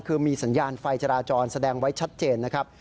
คือมีสัญญาณไฟจราจรแสดงไว้ชัดเจนนะครับ